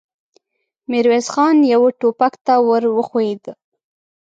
ميرويس خان يوه ټوپک ته ور وښويېد.